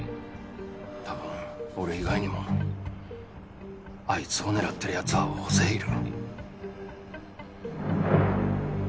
多分俺以外にもあいつを狙ってるやつは大勢いる。